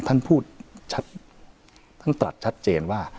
ท่านพูดชัดท่านตรัสชัดเจนว่า